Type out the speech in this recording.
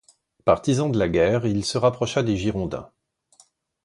Partisan de la guerre, il se rapprocha des Girondins.